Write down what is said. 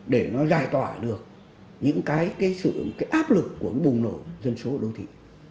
để nó giải tỏa được những cái sự áp lực của bùng nổ dân số ở đô thị